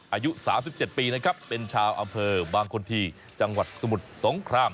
อายุ๓๗ปีนะครับเป็นชาวอำเภอบางคนทีจังหวัดสมุทรสงคราม